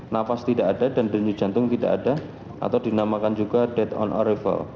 nafas tidak ada dan denyut jantung tidak ada atau dinamakan juga dead on arrival